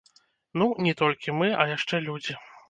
Ну, не толькі мы, а яшчэ людзі.